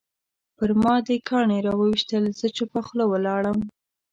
پرما دې کاڼي راویشتل زه چوپه خوله ولاړم